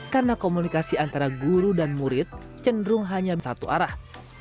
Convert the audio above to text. karena komunikasi antara guru dan murid cenderung hanya satu arah